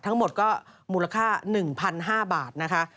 ทั้งหมดก็มูลค่า๑๕๐๐บาทนะคะ